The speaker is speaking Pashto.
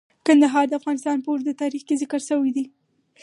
کندهار د افغانستان په اوږده تاریخ کې ذکر شوی دی.